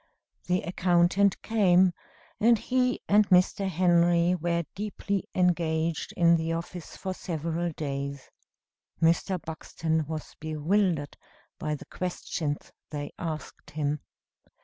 The accountant came; and he and Mr. Henry were deeply engaged in the office for several days. Mr. Buxton was bewildered by the questions they asked him.